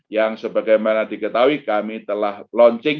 yang sebagaimana diketahui kami telah launching